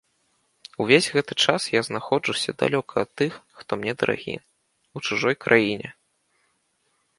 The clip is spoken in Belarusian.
Увесь гэты час я знаходжуся далёка ад тых, хто мне дарагі, у чужой краіне.